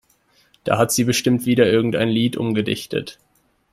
Da hat sie bestimmt wieder irgendein Lied umgedichtet.